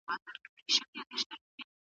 تاسو پښتو خبرې کولی شئ؟